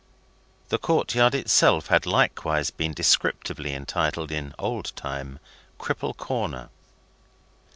The court yard itself had likewise been descriptively entitled in old time, Cripple Corner.